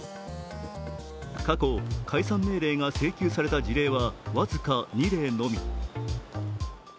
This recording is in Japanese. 過去、解散命令が請求された事例は僅か２例のみ。